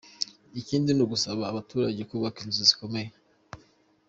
Ikindi ni ugusaba abaturage kubaka inzu zikomeye.